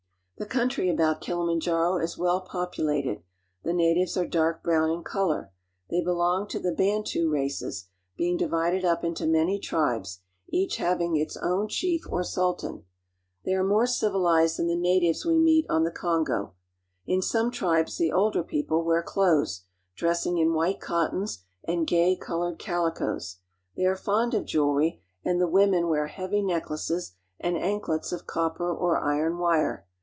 The country about Kilimanjaro is well populated. The natives are dark brown in color, They belong to the intu races, being divided up into many tribes, each hav j its own chief or sultan. They are more civilized than ^ 26o AFRICA the natives we meet on the Kongo. In some tribes the older people wear clothes, dressing in white cottons and gay colored calicoes. They are fond of jewelry, and the women wear heavy necklaces and anklets of cppper or iron wire.